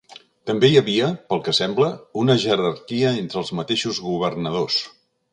També hi havia, pel que sembla, una jerarquia entre els mateixos governadors.